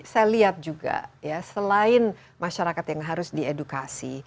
saya lihat juga ya selain masyarakat yang harus diedukasi